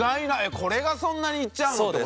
これがそんなにいっちゃうのって事？